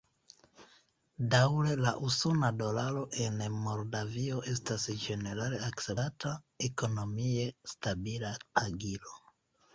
Daŭre la usona dolaro en Moldavio estas ĝenerale akceptata, ekonomie stabila pagilo.